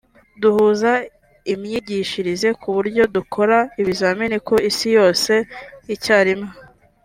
duhuza imyigishirize ku buryo dukora ibizamini ku isi yose icyarimwe